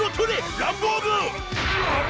ランボーグ！